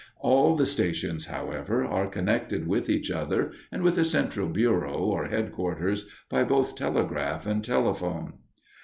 All the stations, however, are connected with each other, and with a central bureau or headquarters, by both telegraph and telephone.